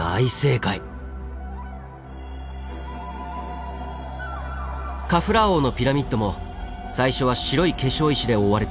カフラー王のピラミッドも最初は白い化粧石で覆われていました。